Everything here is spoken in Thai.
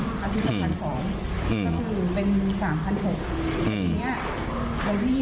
อาทิตย์ละพันสองอืมก็คือเป็นสามพันหกอืมอันนี้วันที่